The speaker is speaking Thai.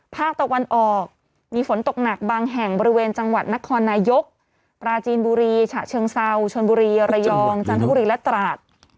ภาคตะวันออกมีฝนตกหนักบางแห่งบริเวณจังหวัดนครนายกปราจีนบุรีฉะเชิงเซาชนบุรีระยองจันทบุรีและตราด